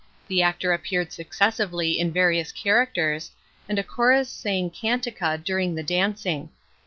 The actor appeared successively in various characters, and a chorus sang cantica during the dancing.